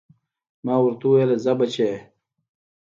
ما ورته وويل ځه بچيه.